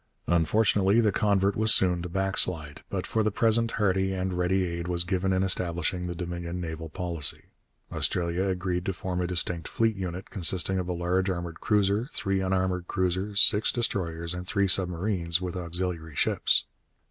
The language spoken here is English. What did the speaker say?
Unfortunately the convert was soon to backslide, but for the present hearty and ready aid was given in establishing the Dominion naval policy. Australia agreed to form a distinct fleet unit, consisting of a large armoured cruiser, three unarmoured cruisers, six destroyers and three submarines, with auxiliary ships.